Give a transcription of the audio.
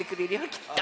きっと。